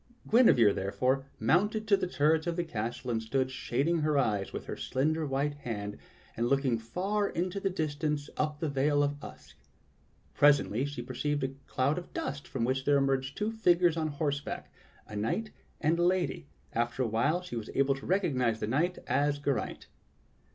Guinevere, therefore, mounted to the turrets of the castle and stood shading her eyes with her slender white hand and looking far into the distance up the vale of Usk. Presently she per ceived a cloud of dust from which there emerged two figures on horseback — a knight and a lady, and after a while she was able to recognize the knight as Geraint.